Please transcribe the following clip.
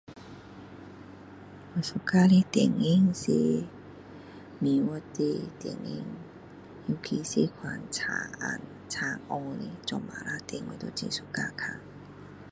我喜欢的电影是美国的电影尤其是那种查案查案的做警察的我都很喜欢看